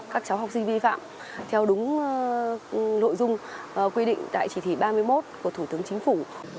các cháu học sinh vi phạm theo đúng nội dung quy định tại chỉ thị ba mươi một của thủ tướng chính phủ